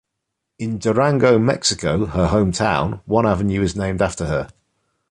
In Durango, Mexico, her hometown, one avenue is named after her.